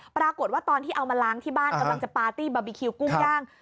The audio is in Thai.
ตอนที่เอามาล้างที่บ้านกำลังจะปาร์ตี้บาร์บีคิวกุ้งย่าง